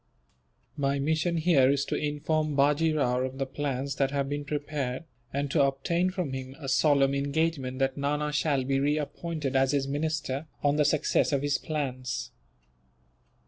"My mission here is to inform Bajee Rao of the plans that have been prepared, and to obtain from him a solemn engagement that Nana shall be reappointed as his minister, on the success of his plans."